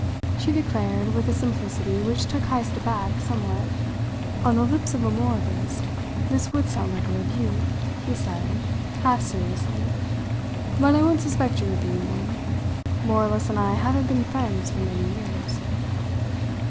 she declared with a simplicity which took Heyst aback somewhat. "On the lips of a moralist this would sound like a rebuke," he said, half seriously; "but I won't suspect you of being one. Moralists and I haven't been friends for many years."